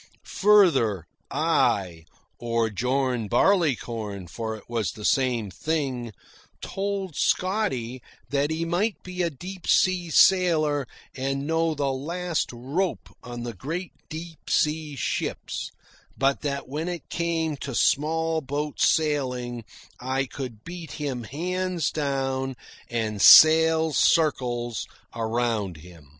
Further, I or John Barleycorn, for it was the same thing told Scotty that he might be a deep sea sailor and know the last rope on the great deep sea ships, but that when it came to small boat sailing I could beat him hands down and sail circles around him.